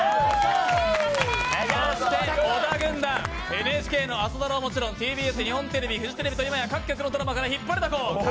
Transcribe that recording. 小田軍団、ＮＨＫの朝ドラはもちろんＴＢＳ、日本テレビ、フジテレビといまや各局のテレビ局から引っ張りだこ。